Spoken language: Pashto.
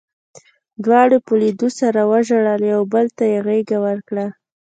دواړو په لیدو سره وژړل او یو بل ته یې غېږه ورکړه